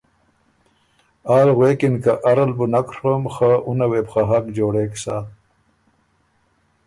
آل غوېکِن که اره ل بُو نک ڒوم خه اُنه وې بو خه حق جوړېک سَۀ۔